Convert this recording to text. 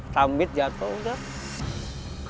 sambit jatuh udah